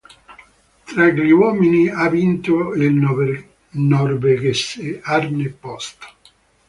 Tra gli uomini ha vinto il norvegese Arne Post.